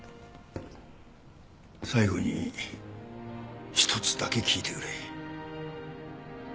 最後に一つだけ聞いてくれ。